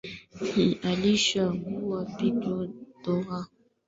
alichagua pico taro kuwa balozi wa utalii wa uganda